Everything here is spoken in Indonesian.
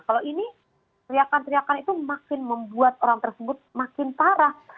kalau ini teriakan teriakan itu makin membuat orang tersebut makin parah